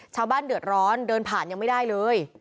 ชาวบ้านเดือดร้อนเดินผ่านยังไม่ได้เลย